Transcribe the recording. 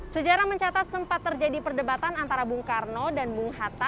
sejarah mencatat sempat terjadi perdebatan antara bung karno dan bung hatta